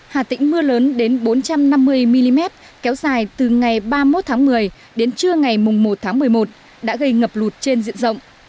hà tĩnh mưa lớn đến bốn trăm năm mươi mm kéo dài từ ngày ba mươi một tháng một mươi đến trưa ngày một tháng một mươi một đã gây ngập lụt trên diện rộng